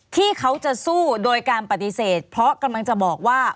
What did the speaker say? ที่เขาจะสู้โดยการปฏิเสธเพราะกำลังจะบอกว่า